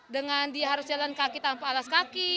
dengan dia harus jalan kaki tanpa alas kaki